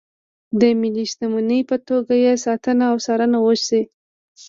د ملي شتمنۍ په توګه یې ساتنه او څارنه وشي.